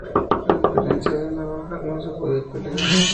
A diferencia de la navaja, no se puede plegar.